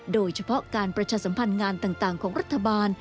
โดยเฉพาะการประชาสัมพันธ์งานต่างของรัฐบาล